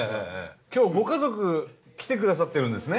今日ご家族来て下さってるんですね。